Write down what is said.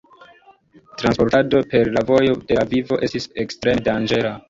Transportado per la Vojo de Vivo estis ekstreme danĝera.